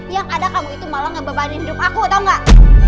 yang ada kamu itu malah ngebebani hidup aku tau gak